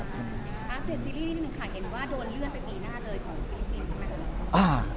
อ่าเสร็จซีรีส์นี้นี่นี่ค่ะเห็นว่าโดนเลือดไปปีหน้าเลยของฟิลิปปินส์ใช่ไหม